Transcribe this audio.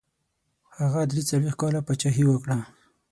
هغه دري څلوېښت کاله پاچهي وکړه.